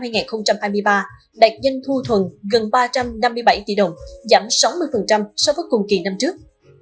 năm hai nghìn hai mươi ba đạt doanh thu thuần gần ba trăm năm mươi bảy tỷ đồng giảm sáu mươi so với cùng kỳ năm trước